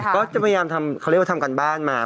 ก็จะพยายามทำเขาเรียกว่าทำการบ้านมา